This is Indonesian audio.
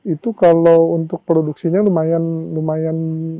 itu kalau untuk produksinya lumayan